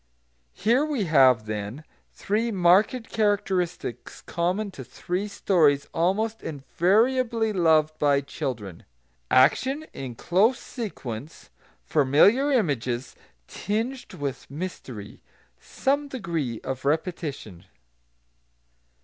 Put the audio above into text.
Here we have, then, three marked characteristics common to three stories almost invariably loved by children, action, in close sequence; familiar images, tinged with mystery; some degree of repetition.